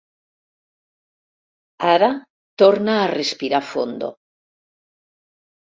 Ara torna a respirar fondo.